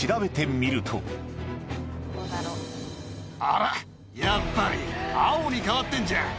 あらやっぱり青に変わってんじゃん。